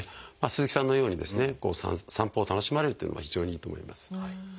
鈴木さんのように散歩を楽しまれるというのも非常にいいと思います。